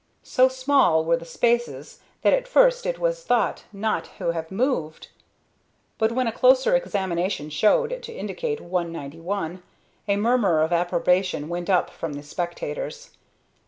So small were the spaces that at first it was thought not to have moved; but when a closer examination showed it to indicate 191, a murmur of approbation went up from the spectators.